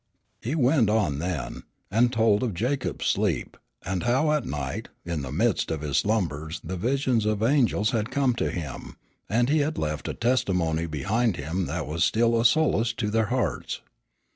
He went on then, and told of Jacob's sleep, and how at night, in the midst of his slumbers the visions of angels had come to him, and he had left a testimony behind him that was still a solace to their hearts.